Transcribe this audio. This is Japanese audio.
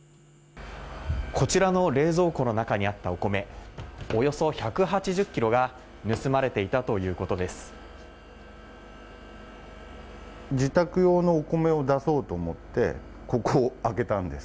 こちらの冷蔵庫の中にあったお米、およそ１８０キロが盗まれていたということです。